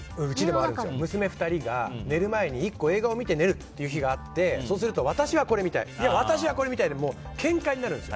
娘２人が寝る前に１個、映画を見て寝るという日があってそうすると私はこれ見たいいや、私はこれ見たいでけんかになるんですよ。